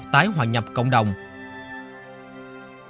tại hòa nhập công ty của đồng chí